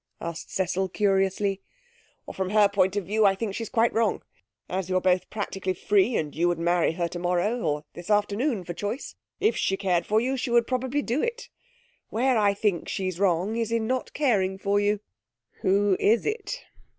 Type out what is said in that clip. asked Cecil curiously. 'From her point of view I think she's quite wrong. As you're both practically free and you would marry her tomorrow or this afternoon for choice if she cared for you she would probably do it. Where I think she's wrong is in not caring for you.... Who is it?'